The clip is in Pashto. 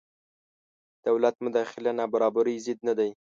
دولت مداخله نابرابرۍ ضد نه دی.